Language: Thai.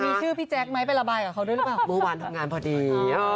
มีชื่อพี่แจ้กไหมไประบายค่ะกับเค้าเรื่องบี่วานทำงานพอดี